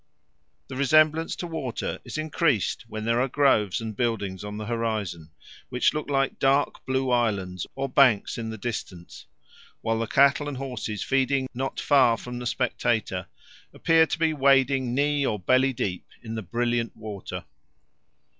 The resemblance to water is increased when there are groves and buildings on the horizon, which look like dark blue islands or banks in the distance, while the cattle and horses feeding not far from the spectator appear to be wading knee or belly deep in the brilliant water.